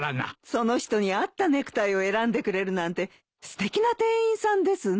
その人に合ったネクタイを選んでくれるなんてすてきな店員さんですね。